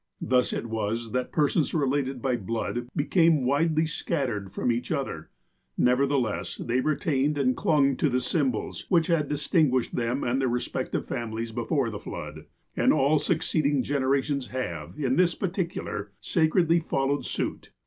Thus it was that persons related by blood became widely scattered from each other ; nevertheless, they retained, and clung to the symbols, which had distinguished them and their respective families before the flood ; and all succeeding generations have, in this particular, sacredly followed suit.